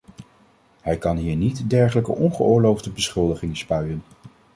Hij kan hier niet dergelijke ongeoorloofde beschuldigingen spuien.